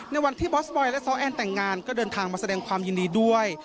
ในวันที่บอสบอยและซ้อแอนแต่งงานก็เดินทางมาแสดงความยินดีด้วย